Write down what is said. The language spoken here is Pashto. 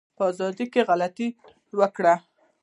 په ازادی کی غلطي وکړی